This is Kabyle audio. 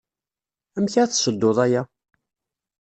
Amek ad tessedduḍ aya?